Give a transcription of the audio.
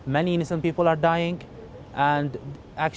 banyak orang yang tidak berhubung mampu mati